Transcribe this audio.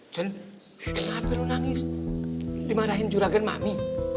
jun kenapa itu kamu nangis dimarahin juragan mami